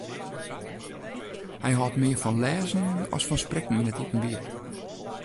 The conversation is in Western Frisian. Hy hâldt mear fan lêzen as fan sprekken yn it iepenbier.